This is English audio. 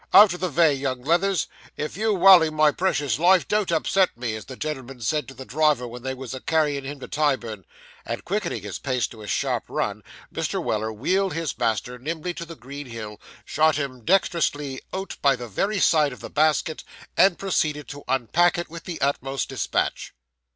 'Out of the vay, young leathers. If you walley my precious life don't upset me, as the gen'l'm'n said to the driver when they was a carryin' him to Tyburn.' And quickening his pace to a sharp run, Mr. Weller wheeled his master nimbly to the green hill, shot him dexterously out by the very side of the basket, and proceeded to unpack it with the utmost despatch.